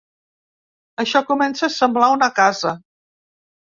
Això comença a semblar una casa.